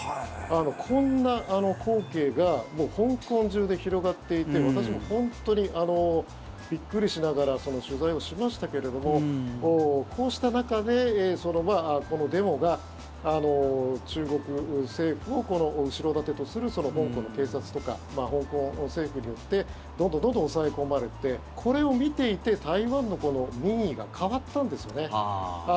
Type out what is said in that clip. こんな光景が香港中で広がっていって私も本当にびっくりしながら取材をしましたけれどもこうした中でデモが中国政府を後ろ盾とする香港の警察とか香港政府によってどんどん抑え込まれてこれを見ていて台湾の民意が変わったんですよね。